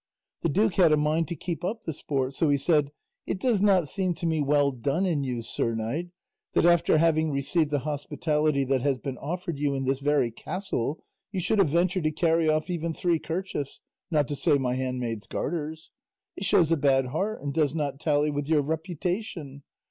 The duke had a mind to keep up the sport, so he said, "It does not seem to me well done in you, sir knight, that after having received the hospitality that has been offered you in this very castle, you should have ventured to carry off even three kerchiefs, not to say my handmaid's garters. It shows a bad heart and does not tally with your reputation.